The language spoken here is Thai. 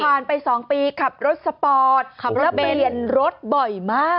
ผ่านไปสองปีขับรถสปอร์ตขับและเป็นและไปเรียนรถบ่อยมาก